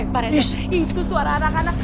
pak reza itu suara anak anak